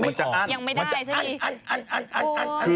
มันจะอันอันอัน